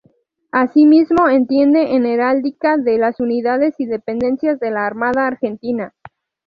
Asimismo, entiende en heráldica de las unidades y dependencias de la Armada Argentina.